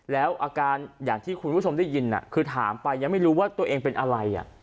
แล้วอาการอย่างที่คุณผู้ชมได้ยินคือถามไปยังไม่รู้ว่าตัวเองเป็นอะไร